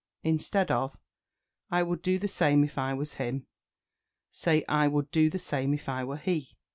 Instead of "I would do the same if I was him," say "I would do the same if I were he."